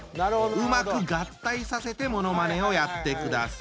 うまく合体させてものまねをやってください。